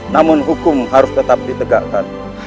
namun hukum harus tetap ditegakkan